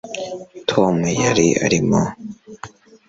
tom yari arimo